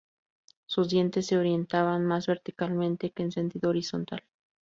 Sus dientes se orientaban más verticalmente que en sentido horizontal.